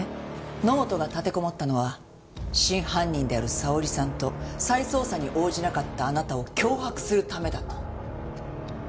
野本が立てこもったのは真犯人であるさおりさんと再捜査に応じなかったあなたを脅迫するためだと。